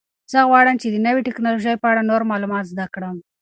زه غواړم چې د نوې تکنالوژۍ په اړه نور معلومات زده کړم.